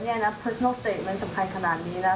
นี่นะความสำคัญขนาดนี้นะ